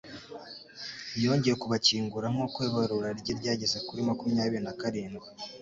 Yongeye kubakingura nkuko ibarura rye ryageze kuri makumyabiri na karindwi